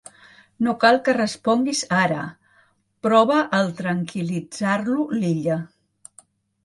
No cal que responguis ara —prova el tranquil·litzar-lo l'Illa—.